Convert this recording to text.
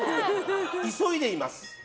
急いでいます。